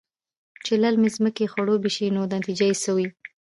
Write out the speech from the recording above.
چې للمې زمکې خړوبې شي نو نتيجه يې څۀ وي؟